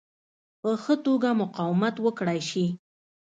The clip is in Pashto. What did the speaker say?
په ښه توګه مقاومت وکړای شي.